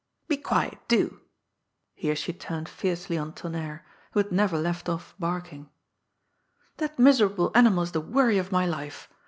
Be quiet, do !— ^here she turned fiercely on Tonnerre, who had never left off barking —^" that miserable animal is the worry of my life.